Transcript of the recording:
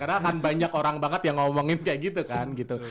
karena akan banyak orang banget yang ngomongin kayak gitu kan gitu